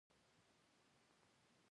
په یو ګیلاس چایو